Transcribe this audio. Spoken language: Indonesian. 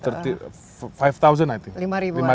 lima ribuan i think